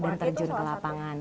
dan terjun ke lapangan